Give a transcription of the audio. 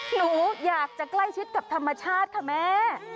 หนูอยากจะใกล้ชิดกับธรรมชาติค่ะแม่